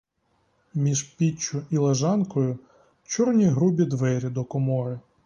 Між піччю і лежанкою — чорні грубі двері до комори.